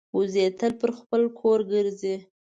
وزې تل پر خپل کور ګرځي